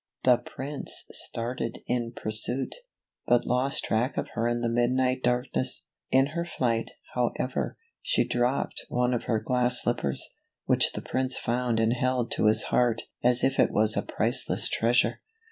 The Prince started in pursuit, but lost track of her in the midnight darkness. In her flight, however, she dropped one of her glass slippers, which the Prince found and held to his heart as if it was a priceless treasure.